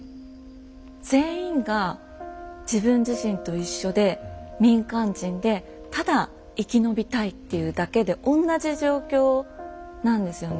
全員が自分自身と一緒で民間人でただ生き延びたいっていうだけで同じ状況なんですよね。